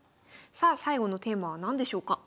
さあ最後のテーマは何でしょうか？